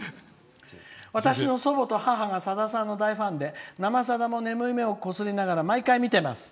私の祖母と母がさださんの大ファンで「生さだ」も眠い目をこすって毎回見ています。